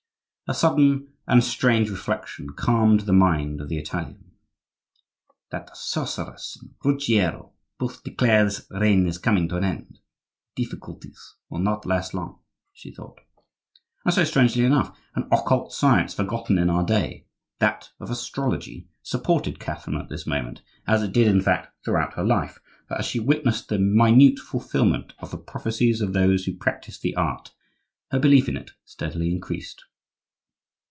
A sudden and strange reflection calmed the mind of the Italian. "That sorceress and Ruggiero both declare this reign is coming to an end; my difficulties will not last long," she thought. And so, strangely enough, an occult science forgotten in our day—that of astrology—supported Catherine at this moment, as it did, in fact, throughout her life; for, as she witnessed the minute fulfilment of the prophecies of those who practised the art, her belief in it steadily increased.